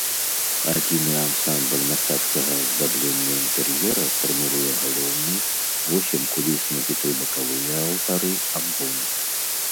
Адзіны ансамбль мастацкага аздаблення інтэр'ера фарміруе галоўны, восем кулісных і тры бакавыя алтары, амбон.